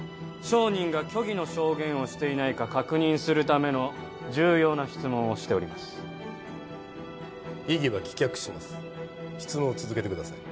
証人が虚偽の証言をしていないか確認するための重要な質問をしております異議は棄却します質問を続けてください